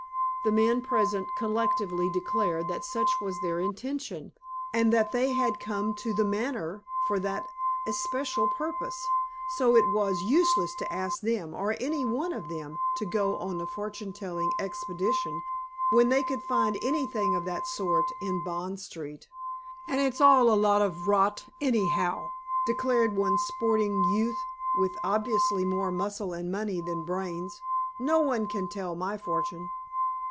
The men present collectively declared that such was their intention, and that they had come to "The Manor" for that especial purpose, so it was useless to ask them, or any one of them, to go on a fortune telling expedition when they could find anything of that sort in Bond Street. "And it's all a lot of rot, anyhow," declared one sporting youth with obviously more muscle and money than brains; "no one can tell my fortune."